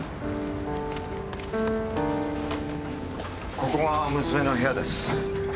ここが娘の部屋です。